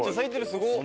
すごっ！